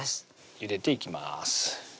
ゆでていきます